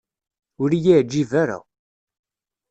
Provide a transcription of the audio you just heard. Ur iyi-yeɛǧib ara.